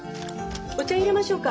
お茶いれましょうか？